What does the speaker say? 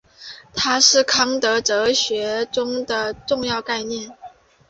它是康德哲学中的重要概念。